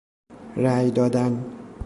رای دادن